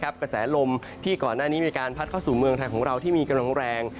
กระแสลมที่ก่อนหน้านี้มีการพัดเข้าสู่เมืองไทยของเราที่มีกำลังแรง